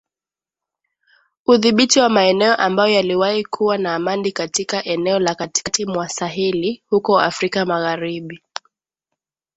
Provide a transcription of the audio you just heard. udhibiti wa maeneo ambayo yaliwahi kuwa na amani katika eneo la Katikati mwa Saheli huko Afrika magharibi